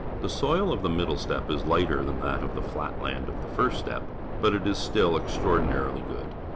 The soil of the middle steppe is Hghter than that of the flat land of the first steppe, but is still extraordinarily good.